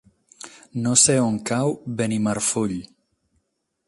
No sé on cau Benimarfull.